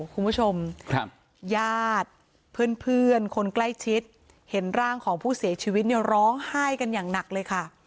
คุณผู้ชมญาติเพื่อนคนใกล้ชิดเห็นร่างของผู้เสียชีวิตเนี่ยร้องไห้กันอย่างหนักเลยค่ะ